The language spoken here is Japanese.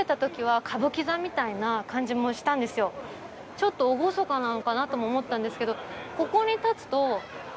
ちょっと厳かなのかなとも思ったんですけど。